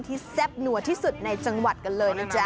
แซ่บหนัวที่สุดในจังหวัดกันเลยนะจ๊ะ